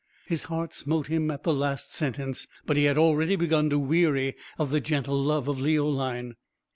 His heart smote him at the last sentence, but he had already begun to weary of the gentle love of Leoline.